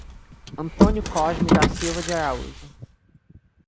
Antônio Cosme da Silva de Araújo